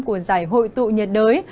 của rải hội tụ nhiệt đới